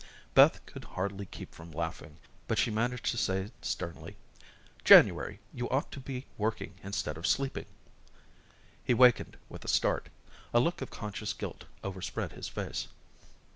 Beth could hardly keep from laughing, but she managed to say sternly: "January, you ought to be working instead of sleeping." He wakened with a start. A look of conscious guilt overspread his face.